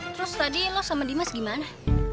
terus tadi lo sama dimas gimana